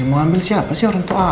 mau ambil siapa sih orang tua